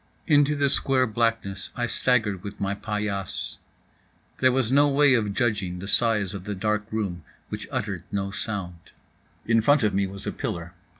Into the square blackness I staggered with my paillasse. There was no way of judging the size of the dark room which uttered no sound. In front of me was a pillar.